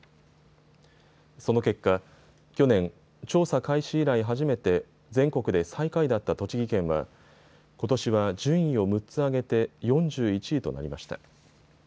その結果、去年、調査開始以来、初めて全国で最下位だった栃木県はことしは順位を６つ上げて、４１位となりました。